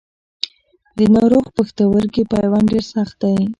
د ناروغ پښتورګي پیوند ډېر سخت دی.